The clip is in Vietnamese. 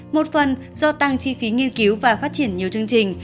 một phần do tăng chi phí nghiên cứu và phát triển nhiều chương trình